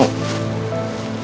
melakukannya daya bowen media